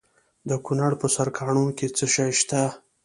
د کونړ په سرکاڼو کې څه شی شته؟